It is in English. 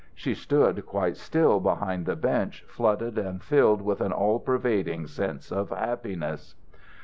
She stood quite still behind the bench flooded and filled with an all pervading sense of happiness.